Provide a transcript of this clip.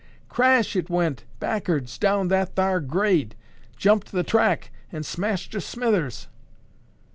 Crash it went back'ards down that thar grade, jumped the track and smashed to smithers."